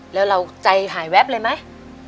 แล้วเราใจหายแวบเลยไหม